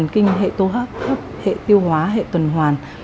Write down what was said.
kinh hệ tô hấp hệ tiêu hóa hệ tuần hoàn